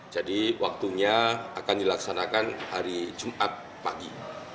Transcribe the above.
jadi waktunya akan dilaksanakan hari jumat pagi